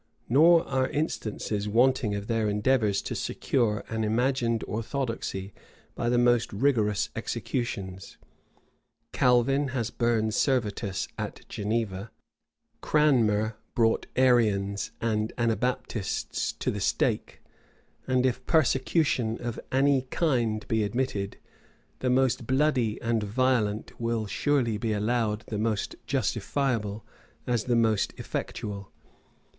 Nor are instances wanting of their endeavors to secure an imagined orthodoxy by the most rigorous executions: Calvin has burned Servetus at Geneva; Cranmer brought Arians and Anabaptists to the stake; and if persecution of any kind be admitted, the most bloody and violent will surely be allowed the most justifiable, as the most effectual.